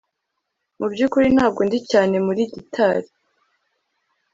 Mubyukuri ntabwo ndi cyane muri gitari